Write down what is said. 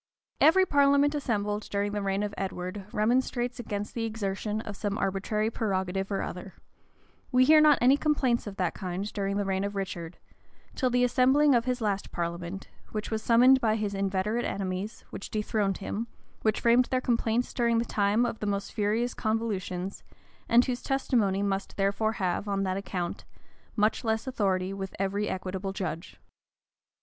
Every parliament assembled during the reign of Edward, remonstrates against the exertion of some arbitrary prerogative or other: we hear not any complaints of that kind during the reign of Richard, till the assembling of his last parliament, which was summoned by his inveterate enemies, which dethroned him, which framed their complaints during the time of the most furious convultions, and whose testimony must therefore have, on that account, much less authority with every equitable judge.